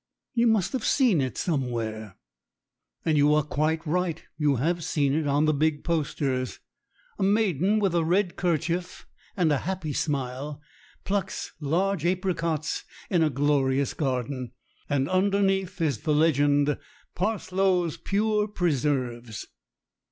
You must have seen it somewhere. And you are quite right you have seen it on the big posters. A maiden with a red kerchief and a happy smile plucks large apricots in a glorious garden ; and underneath is the legend Parslow's Pure Preserves.